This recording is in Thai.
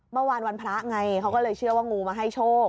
วันพระไงเขาก็เลยเชื่อว่างูมาให้โชค